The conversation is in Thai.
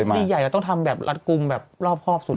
คดีใหญ่เราต้องทำแบบรัดกลุ่มแบบรอบครอบสุด